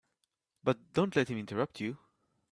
But don't let him interrupt you.